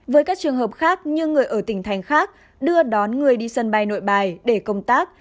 với các trường hợp khác như người ở tỉnh thành khác đưa đón người đi sân bay nội bài để công tác